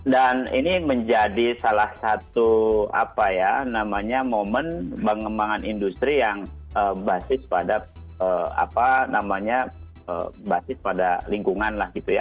dan ini menjadi salah satu apa ya namanya momen pengembangan industri yang basis pada apa namanya basis pada lingkungan lah gitu ya